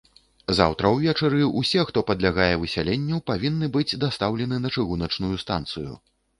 Заўтра ўвечары ўсе, хто падлягае высяленню, павінны быць дастаўлены на чыгуначную станцыю.